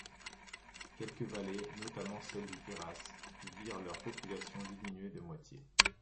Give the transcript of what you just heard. Quelques vallées, notamment celle du Queyras, virent leur population diminuer de moitié.